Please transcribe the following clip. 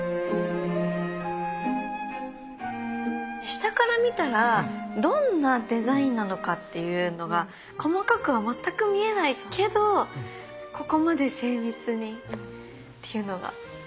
下から見たらどんなデザインなのかっていうのが細かくは全く見えないけどここまで精密にっていうのが感動しますね。